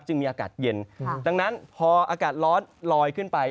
มีอากาศเย็นดังนั้นพออากาศร้อนลอยขึ้นไป